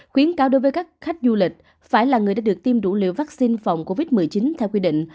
khuyến cao đối với các khách du lịch phải là người đã được tiêm đủ liều vaccine phòng covid một mươi chín theo quy định